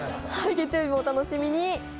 月曜日もお楽しみに。